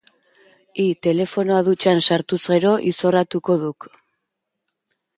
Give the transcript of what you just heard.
Hi, telefonoa dutxan sartuz gero, izorratuko duk.